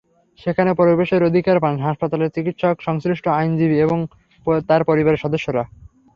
সেখানে প্রবেশের অধিকার পান হাসপাতালের চিকিৎসক, সংশ্লিষ্ট আইনজীবী এবং তার পরিবারের সদস্যরা।